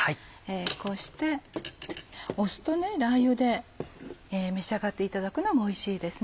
こうして酢とラー油で召し上がっていただくのもおいしいですね。